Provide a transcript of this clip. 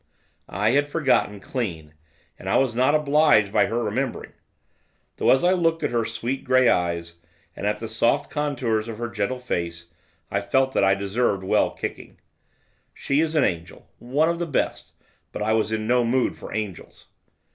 I had forgotten, clean. And I was not obliged by her remembering. Though as I looked at her sweet, grey eyes, and at the soft contours of her gentle face, I felt that I deserved well kicking. She is an angel, one of the best! but I was in no mood for angels.